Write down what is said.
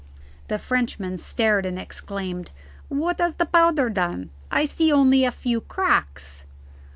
The Frenchman stared and exclaimed, "What has the powder done? I see only a few cracks."